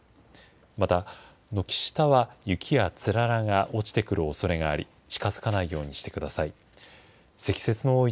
また軒下は雪やつららが落ちてくるおそれがあり、近づかないようにしてください。